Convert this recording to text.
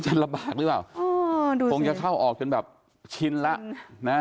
จะลำบากหรือเปล่าอ้อดูคงจะเข้าออกจนแบบชินละนะ